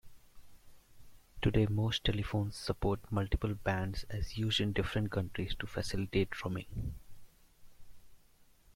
Today, most telephones support multiple bands as used in different countries to facilitate roaming.